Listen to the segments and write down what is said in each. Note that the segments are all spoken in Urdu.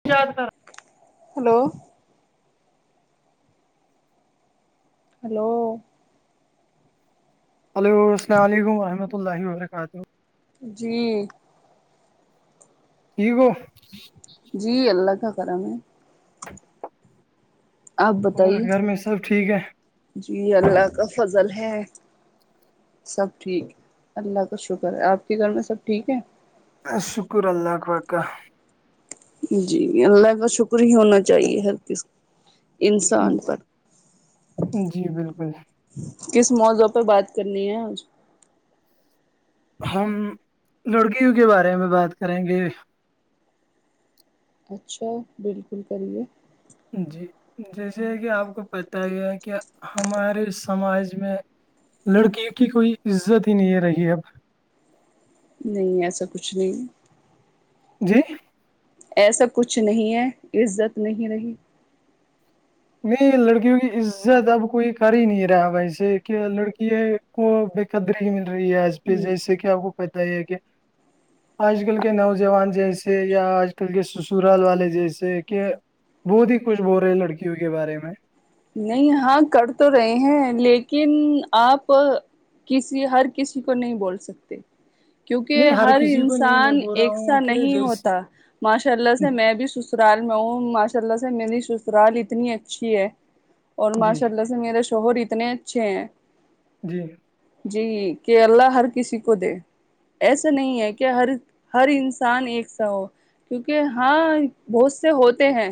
[unintelligible] ہلو ہلو ہیلو السلام علیکم ورحمۃ اللہ وبرکاتہ جی ٹھیک ہو جی اللہ کا کرم ہے [unintelligible] آپ اور بتائیے گھر میں سب ٹھیک ہے جی اللہ کا فضل ہے سب ٹھیک ہے اللہ کا شکر ہے آپ کے گھر میں سب ٹھیک ہے شکر اللہ وکہ جی اللہ کا شکر ہی ہونا چاہیے ہر کس انسان پر جی بالکل کس موضوع پہ بات کرنی ہےج ہم لڑکیوں کے بارے میں بات کریں گے اچھا بالکل کریے جی جیسے کہ آپ کو پتہ ہے کہ ہمارے سماج میں لڑکی کی کوئی عزت ہی نہیں ہے رہی اب نہیں ایسا کچھ نہیں جی ایسا کچھ نہیں ہے عزت نہیں رہی نہیں لڑکیوں کی عزت اب کوئی کر ہی نہیں رہا بائی سے کہ لڑکی کو بے قدری مل رہی ہے آج پہ جیسے کہ آپ کو پت ہی ہے کہ آج کل کے نوجوان جیسے یا آج کل کے سسرال والے جیسے کہ بہت ہی کچھ بول رہے لڑکیوں کے بارے میں نہیں ہاں کر تو رہے ہیں لیکن آپ کسی ہر کسی کو نہیں بول سکتے کیونکہ نہیں ہر کسی کو نہیں میں انسان بول رہا ایکسا ہوں کہ نہیں جیسے ہوتا ماشاء اللہ سے میں بھی سسرال میں ہوں ماشاء اللہ سے میری سسرال اتنی اچھی ہے اور جی ماشاء اللہ سے میرے شوہر اتنے اچھے ہیں جی جی کہ اللہ ہر کسی کو دے ایسا نہیں ہے کہ ہر ہر انسان ایک سا ہو کیونکہ ہاں بہت سے ہوتے ہیں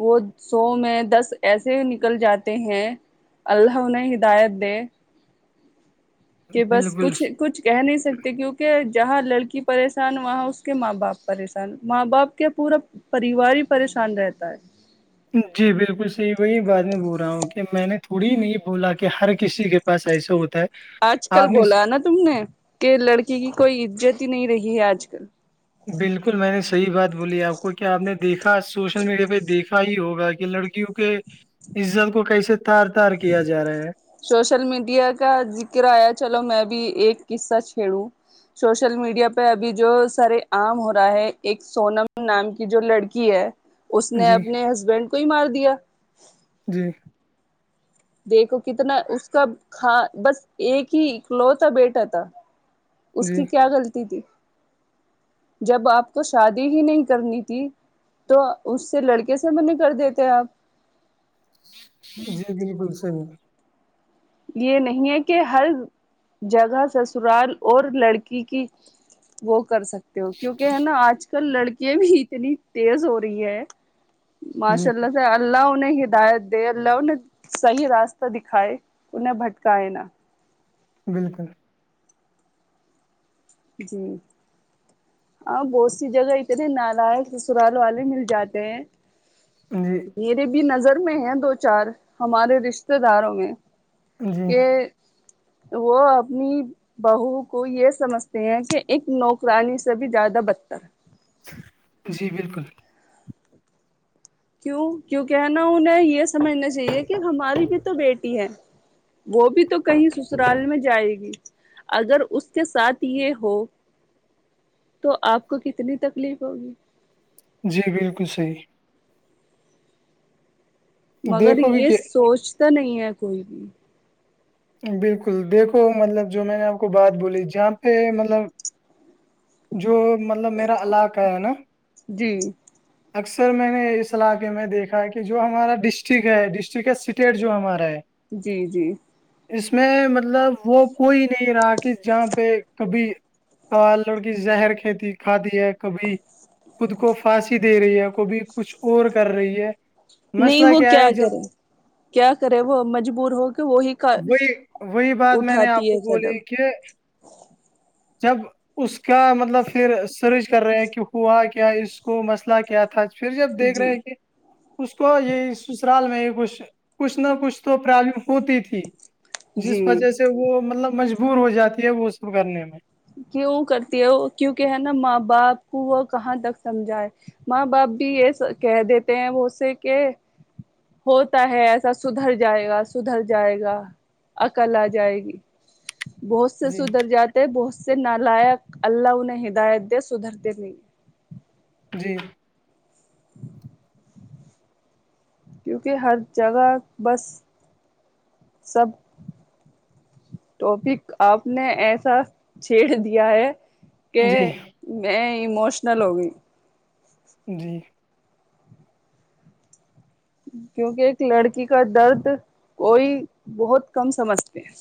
وہ سو میں دس ایسے نکل جاتے ہیں اللہ انہیں ہدایت دے کہ بس بالکل کچھ کچھ کہہ نہیں سکتے کیونکہ جہاں لڑکی پریشان وہاں اس کے ماں باپ پریشان ماں باپ کے پورا پریوار ہی پریشان رہتا ہے جی بالکل صحیح وہی بات میں بول رہا ہوں کہ میں نے تھوڑی نہیں بولا کہ ہر کسی کے پاس ایسا ہوتا ہے آج کل آپ نے س- بولا نا تم نے کہ لڑکی کی کوئی عزت ہی نہیں رہی ہے آج کل بالکل میں نے صحیح بات بولی آپ کو کیا آپ نے دیکھا سوشل میڈیا پہ دیکھا ہی ہوگا کہ لڑکیوں کے عزت کو کیسے تار تار کیا جا رہا ہے سوشل میڈیا کا ذکر آیا چلو میں بھی ایک قصہ چھیڑوں شوشل میڈیا پہ ابھی جو سارے عام ہو رہا ہے ایک سونم نام کی جو لڑکی ہے اس نے جی اپنے ہسبینڈ کو ہی مار دیا جی دیکھو کتنا اس کا کا بس ایک ہی لوتا بیٹا تھا اس جی کی کیا غلطی تھی جب آپ کو شادی ہی نہیں کرنی تھی تو اس سے لڑکے سے م نہیں کر دیتے آپ جی بالکل صحی یہ نہیں ہے کہ ہر جگہ سسرال اور لڑکی کی وہ کر سکتا ہو کیونک ہے نا آج کل لڑکیاں بھی اتنی تیز ہو رہی ہے جی ماشاء اللہ سے اللہہ نے ہدایت دیے اللہ نے صحیح راستہ دکھائے انہیں بھٹکائے ن بالکل جی ہاں بہت سی جگہ اتنے نالا سسرال والے مل جاتے ہیں جی میرے بھی نظر میں ہے دو چار ہمارے رشتے داروں میں جی کہ وہ اپنی بہو کو یہ سمجھ کہ ایک نوکرانی سے بھی زیادہ بدتر ہے جی بالکل کیوں کیوں کہ ہے نا انہیں یہ سمجھنا چاہیے کہ ہماری بھی تو بیٹی ہے وہ بھی تو کہیں سسرال میں جائے گی اگر اس کے ساتھ یہ ہو تو آپ کو کتنی تکلیف ہوگی جی بالکل صحیح مگر دیکھو گے یہ کہ سوچتا نہیں ہے کوئی بھی بالکل دیکھو مطلب جو میں نے آپ کو بات بولی جہاں پہ مطلب جو مطلب میرا علاقہ ہے نا جی اکثر میں نے اس علاقے میں دیکھا کہ جو ہمارا ڈسٹرک ہے ڈسٹرک ہے اسٹیٹ جو ہمارا ہے جی جی اس میں مطلب وہ کوئی نہیں رہا کہ جہاں پہ کبھی کال لڑکی زہر کھیتی کھااتی ہے کبھی خود کو پھانسی دے رہی ہے کوبھی کچھ اور کر رہی ہے نہیں مسئلہ وہ کیا ہے جب کرے کیا کرے وہ مجبور ہو کے وہی وہی وہی بات میں نے آپ اٹھاتی کو ہے بولی قدم کہ جب اس کا مطلب پھر سرچ کر رہے ہیں کہ ہوا کیا اس کو مسئلہ کیا تھا پھر جب دیکھ جی رہے کہ اس کو یہی سسرال میں یہ کچھ کچھ نہ کچھ تو پرابلم ہوتی تھی جس جی وجہ سے وہ مطلب مجبور ہو جاتی ہے وہ سب کرنے میں کیوں کرتی ہے وہ کیوں کہ ہے نا ماں باپ کو وہ کہاں تک سمجھائے ماں باپ بھی یہ کہہ دیتے ہیں وہ سے کہ ہوتا ہے ایسا سدھر جائے گا سدھر جائے گا عقل آ جائے گی بہت سے جی سدر جاتے بہت سے نالائق اللہ انہیں ہدایت دے سدھرتے نہیں جی کیونکہ ہر جگہ بس سب توبھر آپ نے ایسا چھیڑ دیا ہے کہ جی میں ایموشنل ہو گئی جی کیونکہ ایک لڑکی کا درد کوئی بہت کم سمجھتے ہیں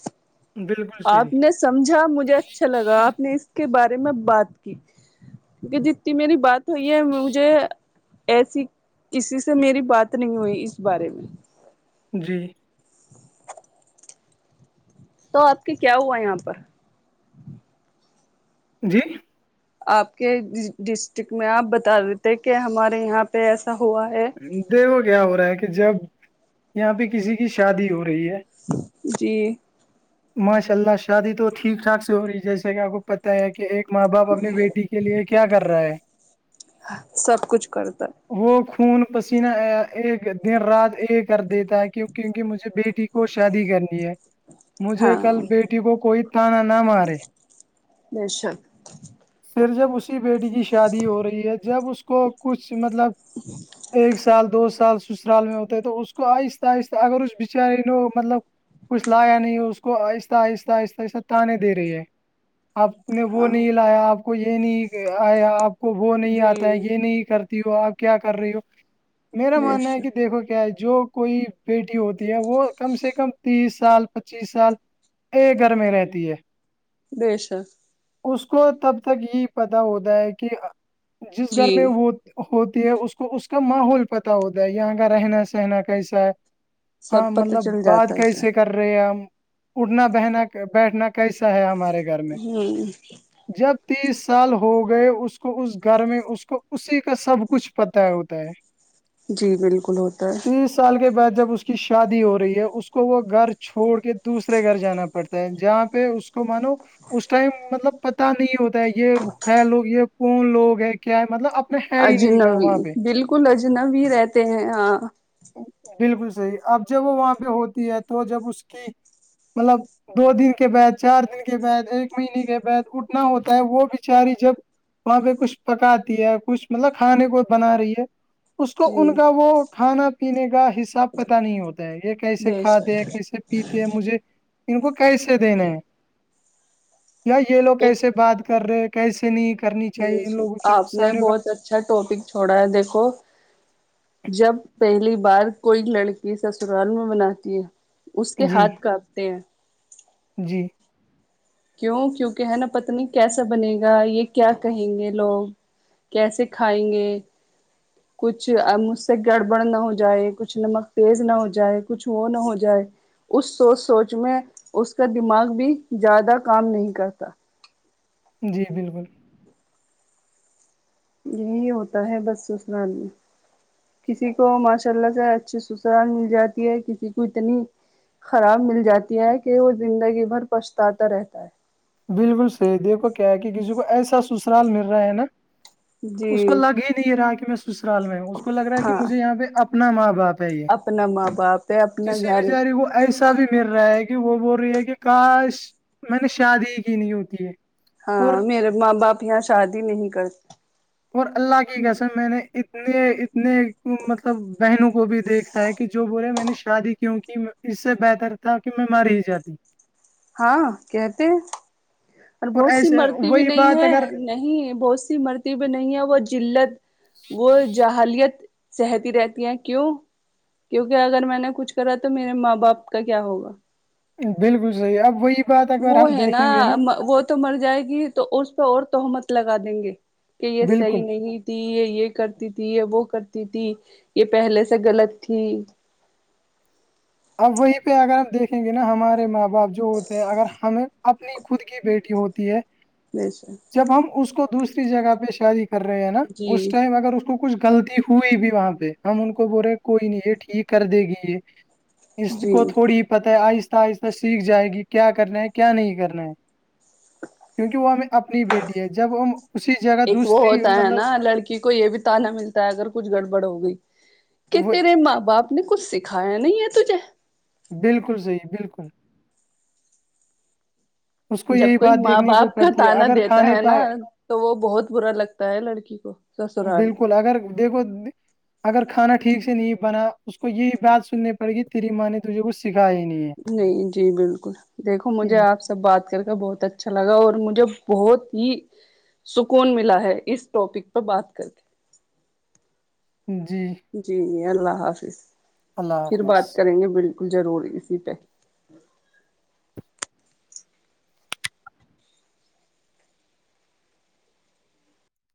بالکل صحیح آپ نے سمجھا مجھے اچھا لگا آپ نے اس کے بارے میں بات کی کہ جتنی میری بات ہوئی ہے مجھے ایسی کسی سے میری بات نہیں ہوئی اس بارے میں جی تو آپ کے کیا ہوا ہے یہاں پر جی آپ کے ڈسٹرک میں آپ بتا دیتے کہ ہمارے یہاں پہ ایسا ہوا ہے دیکھو کیا ہو رہا ہے کہ جب یہاں پہ کسی کی شادی ہو رہی ہے جی ماشاء اللہ شادی تو ٹھیک ٹھاک سے ہو رہی ہے جیسے کہ آپ کو پتہ ہے کہ ایک ماں باپ اپنے بیٹی کی کے لیے کیا کر رہا ہے سب کچھ کرتا ہے وہ خون پسینہ ایک دن رات ایک کر دیتا ہے کی کیونکہ مجھے بیٹی کو شادی کرنی ہے مجھے کل ہاں بیٹی کو کوئی تھانہ نہ مارے نیشا پھر جب اسی بیٹی کی شادی ہو رہی ہے جب اس کو کچھ مطلب ایک سال دو سال سسرال میں ہوتا ہے تو اس کو آہستہ آہستہ اگر اس بچارے ن مطلب کچھ لایا نہیں ہو اس کو آہستہ آہستہ آہستہ آہستہ تانے دے رہی ہے آپ نے وہ ہاں نہیں لایا آپ کو یہ نہیں آیا آپ کو وہ نہیں جی آتا ہے یہ نہیں کرتی ہو آپ کیا کر رہی ہو میرا بے ماننا ہے کہ شک دیکھو کیا جو کوئی بیٹی ہوتی ہے وہ کم سے کم تیس سال پچیس سال ا گھر میں رہتی ہے بیس اس کو تب تک یہ پتا ہوتا ہے کہ جس جی گھر میں وہ ہوتی ہے اس کو اس کا ماحول پتا ہوتا ہے یہاں کا رہنا سہنا کیسا ہے ہاں سب پت مطلب چل بعد جاتا ہے اسے کیسے کر رہے ہم اڑنا بہنا بیٹھنا کیسا ہے ہمارے گھر میں ہوں جب تیس سال ہو گئے اس کو اس گھر میں اس کو اسی کا سب کچھ پت ہوتا ہے [inaudible] جی بالکل ہوتا ہے تیس سال کے بعد جب اس کی شادی ہو رہی ہے اس کو وہ گھر چھوڑ کے دوسرے گھر جانا پڑتا جہاں پہ اس کو مانو اس ٹائم مطلب پتا نہیں ہوتا ہے یہ ہے لوگ یہ کون لوگ ہیں کیا ہے مطلب اب اجنبی بالکل اجنبی رہتے ہیں ہاں بالکل صحیح اب جب وہ وہاں پہ ہوتی ہے تو جب اس کی مطلب دو دن کے بعد چار دن کے بعد ایک مہینے کے بعد اٹنا ہوتا ہے وہ بیچاری جب وہاں پہ کچھ پکاتی ہے کچھ مطلب کھانے کو بنا رہی ہے اس کو جی ان کا وہ کھانا پینے کا حصہ سب پتا نہیں ہوتا ہے یہ کیسے بے کھاتے شک کیسے پیتے مجھے ان کو کیسے دینا ہے یا یہ لوگ کیسے بات کر رہے کیسے نہیں کرنی چاہیے جی ان سر لوگوں کے آپ نے سامنے بات۔ بہت اچھا ٹاپک چھوڑا ہے دیکھو جب پہلی بار کوئی لڑکی سسرال میں مناتی ہے اس کے جی ہاتھ کاپتے ہیں جی کیوں کیوںکہ ہے نا پت نہیں کیسا بنے گا یہ کیا کہیں گے لوگ کیسے کھائیں گے [inaudible] کچھ مجھ سے گڑبڑ نہ ہو جائے کچھ نمک تیز نہ ہو جائے کچھ وہ نہ ہو جائے اس سوچ سوچ میں اس کا دماغ بھی زیادہ کام نہیں کرتا جی بالکل یہی ہوتا ہے بس اسند میں کسی کو ماشاء اللہ سے اچھی سسرال مل جاتی ہے کسی کو اتنی خراب مل جاتی ہیں کہ وہ زندگی بھر پچھتاتا رہتا ہے بالکل صحیح دیکھو کیا ہے کہ کسی کو ایسا سسرال مل رہا ہے نا اس جی کو لگ ہی یہ رہا کہ میں سسرال میں ہوں اس کو لگ رہا ہے کہ ہاں مھے یہاں پہ اپنا ماں باپ چاہے اپنا ماں باپ ہے اپنا کسی گھر بچاریے کو ایسا بھی مل رہا ہے کہ وہ بول رہی ہے کہ کاش میں نے شادی کی نہیں ہوتی ہے اور ہاں میرے ماں باپ یہاں شادی نہیں کرتے اور اللہ کی کیسر میں نے اتنے اتنے مطلب بہنوں کو بھی دیکھا کہ جو بولے میں نے شادی کیوںک اس سے بہتر تھا کہ میں ماری ہی جاتی ہاں کہتے اور بہت سی ایسے مرتی بھی وہی نہیں بات ہے اگر نہیں بہت سی مرتی بھی نہیں ہے وہ جلت وہ جاہلیت سہتی رہتی ہیں کیوں کیوںکہ اگر میں نے کچھ کرا تو میرے ماں باپ کا کیا ہوگا بالکل صحیح اب وہی بات ا بار وہ ہم ہے دیکھیں گے نا وہ تو مر جائے گی تو اس پہ اور توہمت لگا دیں گے کہ یہ بالکل صحیح نہیں ت یہ یہ کرتی تھی یہ وہ کرتی تھی یہ پہلے سے غلط تھی اب وہیں پہ اگر ہم دیکھیں گے نا ہمارے ماں باپ بپ جو ہوتے ہیں اگر ہمیں اپنی خود کی بیٹی ہوتی ہے بییسے جب ہم اس کو دوسری جگہ پہ شادی کر رہے ہیں نا اس جی ٹائم اگر اس کو کچھ غلطی ہوئی بھی وہاں پہ ہم ان کو بول رہے کوئی نہیں یہ ٹھیک کر دے گی یہ اس جی کو تھوڑی ہی پتہ ہے آہستہ آہستہ سیکھ جائے گی کیا کرنا ہے کیا نہیں کرنا ہے کیونکہ وہ ہمیں اپنی بیٹی ہے جب وہ اسی جگہ دوسری مطلب کوئی یہ بھی تان نہا ملتا ہے اگر کچھ گڑبڑ ہو گئی کہ وہی تیرے ماں باپ نہیں کچھ سکھایا نہیں ہے تجھے بالکل صحیح بالکل اس کو جب یہی کوئی بات ماں دیکھنے کو باپ کا پڑتی ہے تانا اگر دیتا کھانے ہے نا پہ تو وہ بہت برا لگتا ہے لڑکی کو سسرال میں بالکل اگر دیکھو اگر کھانا ٹھیک سے نہیں بنا اس کو یہی بات سننی پڑے گی تیری ماں نے تجھے کچھ سکھایا ہی نہیں ہے نہیں جی بالکل دیکھو مجھے آپ سب بات کر کے بہت اچھا لگا اور مجھے بہت ہی سکون ملا ہے اس ٹاپک پر بات کر کے جی جی جی اللہ حافظ اللہ پھر حافظ بات کریں گے بالکل ضرور اسی پہ